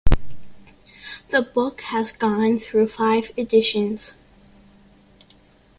The book has gone through five editions.